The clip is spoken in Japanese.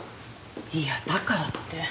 いやだからって。